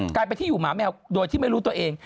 กลายเป็นที่อยู่หมาแมวโดยที่ไม่รู้ตัวเอง